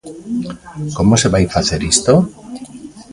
¿Como se vai facer isto?